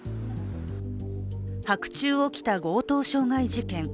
白昼起きた強盗傷害事件。